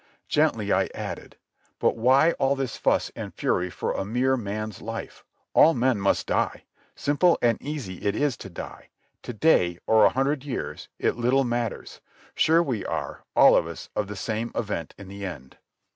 Gently I added: "But why all this fuss and fury for a mere man's life? All men must die. Simple and easy it is to die. To day, or a hundred years, it little matters. Sure we are, all of us, of the same event in the end."